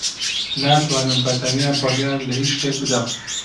ناتوانم بەتەنیا بڕیار لە ھیچ شتێک بدەم.